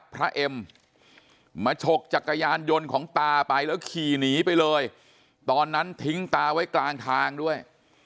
เอ็มมาฉกจักรยานยนต์ของตาไปแล้วขี่หนีไปเลยตอนนั้นทิ้งตาไว้กลางทางด้วย